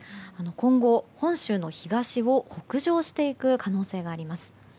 今後、本州の東を北上していく可能性があります。